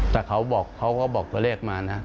แต่เขาก็บอกตัวเลขมานะ